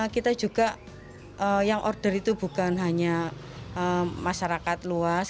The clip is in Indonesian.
kita juga yang order itu bukan hanya masyarakat luas